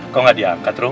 kok gak diangkat rom